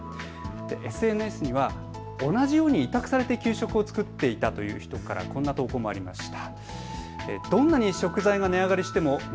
ＳＮＳには同じように委託されて給食を作っていたという人からこんな投稿がありました。